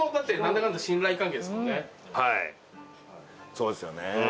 そうですよね。